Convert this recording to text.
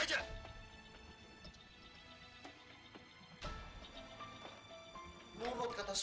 kamu tuh ngelupas